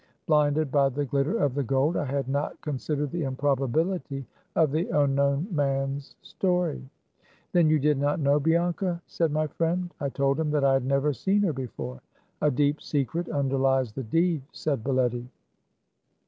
Blinded by the glitter of the gold I had not con sidered the improbability of the unknown man's story. " Then you did not know Bianca ?" said my friend. I told him that I had never seen her before. " A deep secret underlies the deed," said Baletty.